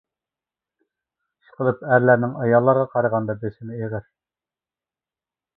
ئىش قىلىپ ئەرلەرنىڭ ئاياللارغا قارىغاندا بېسىمى ئېغىر.